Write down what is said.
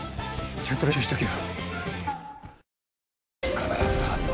ちゃんと練習しとけよ。